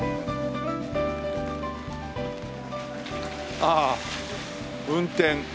ああ「運転」。